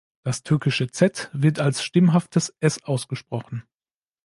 Das türkische "z" wird als stimmhaftes "s" ausgesprochen.